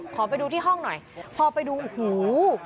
ขอไปดูที่ห้องหน่อยพอไปดูโอ้โห